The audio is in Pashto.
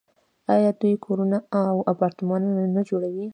آیا دوی کورونه او اپارتمانونه نه جوړوي؟